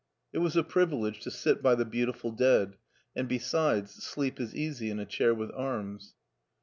It was a privilege to sit by the beautiful dead; and besides, sleep is easy in a chair with arms.